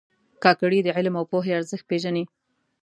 کاکړي د علم او پوهې ارزښت پېژني.